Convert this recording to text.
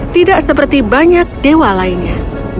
tidak seperti banyak dewa lainnya